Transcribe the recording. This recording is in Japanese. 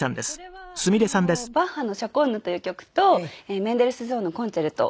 これはバッハの『シャコンヌ』という曲とメンデルスゾーンの『コンチェルト』